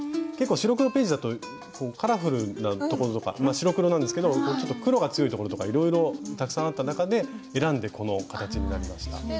結構白黒ページだとカラフルなところとか白黒なんですけどちょっと黒が強いところとかいろいろたくさんあった中で選んでこの形になりました。